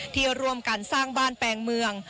ที่ร่วมกันสร้างบ้านแปลงเมือง